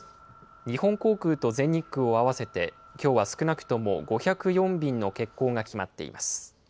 日本航空と全日空を合わせてきょうは少なくとも５０４便の欠航が決まっています。